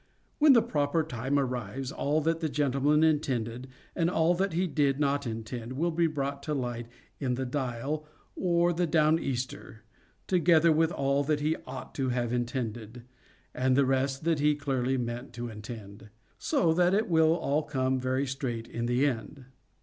When the proper time arrives, all that the gentleman intended, and all that he did not intend, will be brought to light, in the "Dial," or the "Down Easter," together with all that he ought to have intended, and the rest that he clearly meant to intend:—so that it will all come very straight in the end.